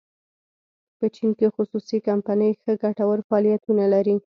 په چین کې خصوصي کمپنۍ ښه ګټور فعالیتونه لري.